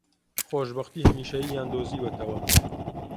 خۆشبەختیی هەمیشەییان دۆزیوەتەوە